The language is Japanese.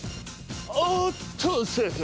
おっとセーフ！